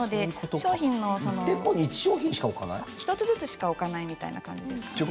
１つずつしか置かないみたいな感じですね。